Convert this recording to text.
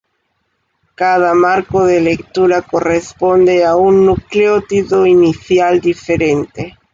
Cada marco de lectura corresponde a un nucleótido inicial diferente.